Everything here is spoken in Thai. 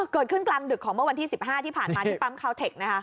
เกิดขึ้นกลางดึกของเมื่อวันที่๑๕ที่ผ่านมาที่ปั๊มคาวเทคนะคะ